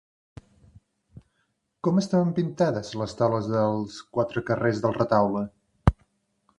Com estaven pintades les taules dels quatre carrers del retaule?